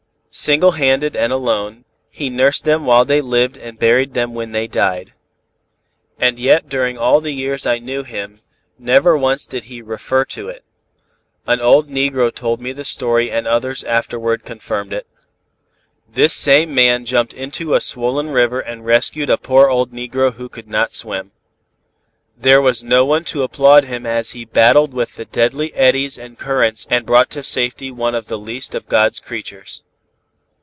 Single handed and alone, he nursed them while they lived and buried them when they died. And yet during all the years I knew him, never once did he refer to it. An old negro told me the story and others afterwards confirmed it. This same man jumped into a swollen river and rescued a poor old negro who could not swim. There was no one to applaud him as he battled with the deadly eddies and currents and brought to safety one of the least of God's creatures.